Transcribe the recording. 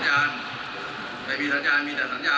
สัญญาว่าเราจะปลูกมือกันอย่างไรไม่ต้องเชียวบ้าง